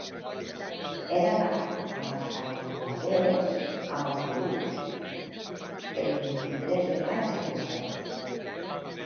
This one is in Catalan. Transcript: He d'anar a Massalavés amb autobús el vint-i-tres de maig a les set.